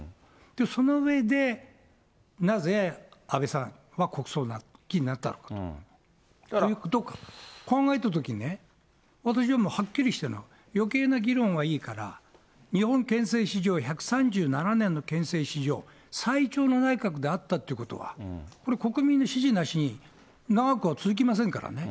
その上で、なぜ安倍さん、国葬儀になったのかということを考えたときにね、私はもうはっきりしてる、よけいな議論はいいから、日本憲政史上１３７年の憲政史上、最長の内閣であったということは、これは国民の支持なしに長くは続きませんからね。